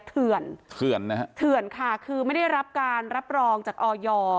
เถื่อนนะฮะเถื่อนค่ะคือไม่ได้รับการรับรองจากออย